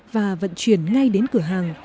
và vận chuyển ngay đến cửa hàng